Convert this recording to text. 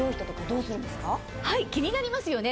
気になりますよね